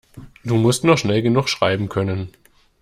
Du musst nur schnell genug schreiben können.